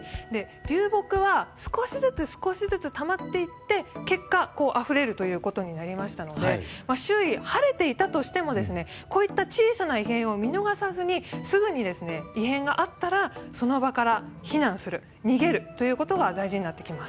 流木は少しずつ少しずつたまっていって結果、あふれるということになりましたので周囲、晴れていたとしてもこういった小さな異変を見逃さずにすぐに異変があったらその場から避難する逃げるということが大事になってきます。